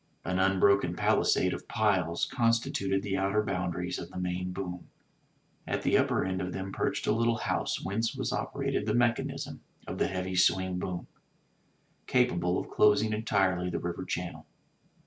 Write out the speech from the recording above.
An unbroken palisade of piles constituted the outer boundaries of the main boom. At the upper end of them perched a little house whence was operated the mechanism of the heavy swing boom, capable of closing entirely the river channel.